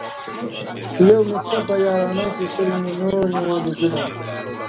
یو مي ته په یارانه کي شل مي نور نیولي دینه!!